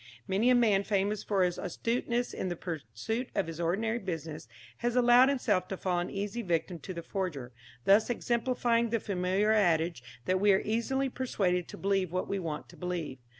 Many a man famous for his astuteness in the pursuit of his ordinary business has allowed himself to fall an easy victim to the forger, thus exemplifying the familiar adage that we are easily persuaded to believe what we want to believe.